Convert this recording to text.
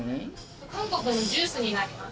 韓国のジュースになります。